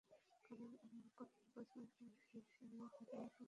কারণ, আম্বেদকর মনে করেছিলেন, দুই বিষয়ই ভারতের মূল প্রকৃতির মধ্যে নিহিত।